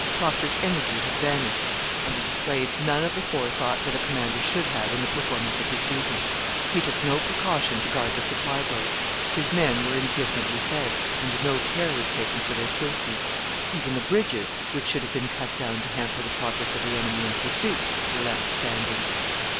Procter's energy had vanished, and he displayed none of the forethought that a commander should have in the performance of his duty. He took no precaution to guard the supply boats; his men were indifferently fed, and no care was taken for their safety. Even the bridges, which should have been cut down to hamper the progress of the enemy in pursuit, were left standing.